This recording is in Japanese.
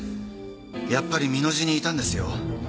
やっぱり美濃路にいたんですよ。